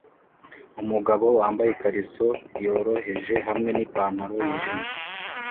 Umugabo wambaye ikariso yoroheje hamwe nipantaro yijimye